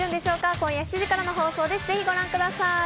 今夜７時からです、ぜひご覧ください！